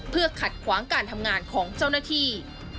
เพื่อขัดขวางการทำงานของเจ้าหน้าที่